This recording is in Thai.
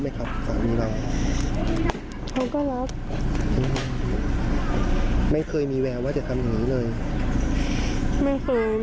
ไม่เคยไม่เคยคิดว่าจะทำอะไร